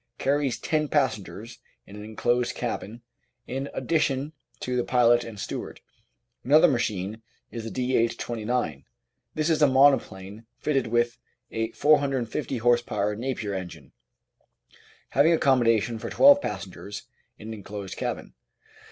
carries ten passengers in an enclosed cabin in addition to the pilot and steward. Another machine is the D.H. 29. This is a monoplane fitted with a 450 h.p. Napier engine, having accommodation for twelve passengers in an enclosed cabin.